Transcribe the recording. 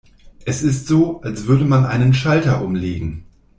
Es ist so, als würde man einen Schalter umlegen.